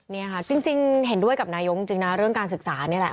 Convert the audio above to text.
นี่ค่ะจริงเห็นด้วยกับนายกจริงนะเรื่องการศึกษานี่แหละ